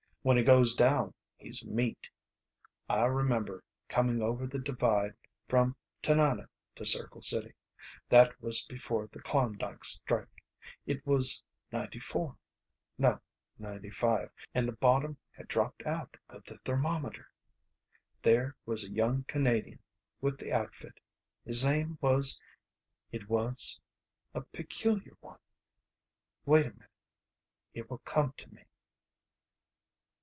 When he goes down, he's meat. I remember coming over the divide from Tanana to Circle City. That was before the Klondike strike. It was in '94 ... no, '95, and the bottom had dropped out of the thermometer. There was a young Canadian with the outfit. His name was it was ... a peculiar one ... wait a minute it will come to me...."